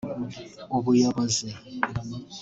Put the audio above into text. ubuyobozi